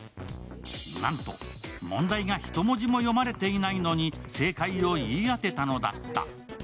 なんと、問題が１文字も読まれていないのに正解を言い当てたのだった。